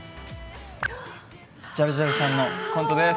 ジャルジャルさんのコントです。